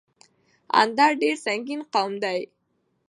اندړ ډير سنګين قوم دی